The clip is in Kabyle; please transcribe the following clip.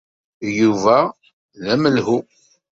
Yuba d amelhu.